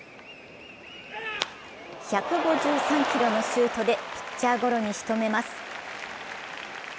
１５３キロのシュートでピッチャーゴロにしとめます。